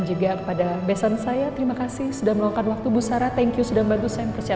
juga mulut sekalipun yang psyche tetap semantic structure seperti yang tetap punya yang sugera